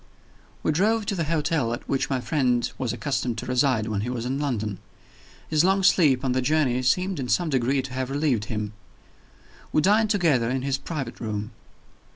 We drove to the hotel at which my friend was accustomed to reside when he was in London. His long sleep on the journey seemed, in some degree, to have relieved him. We dined together in his private room.